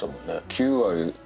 ９割。